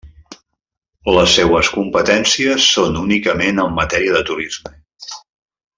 Les seues competències són únicament en matèria de turisme.